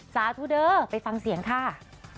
สาธุเดอร์ไปฟังเสียงค่ะ